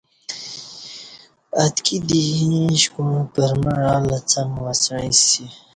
اتکی دی ایں ایݩش کوعں پرمع الہ څنگ وسعی سی